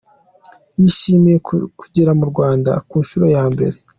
Yishmiye kugera mu Rwanda ku nshuro ya mbere.